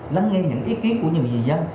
lắng nghe những cái ý kiến của nhiều người dân